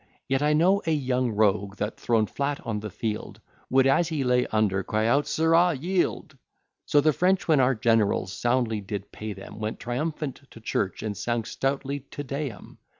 Yet I know a young rogue, that, thrown flat on the field, Would, as he lay under, cry out, Sirrah! yield. So the French, when our generals soundly did pay them, Went triumphant to church, and sang stoutly, _Te Deum.